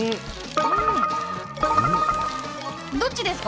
どっちですか？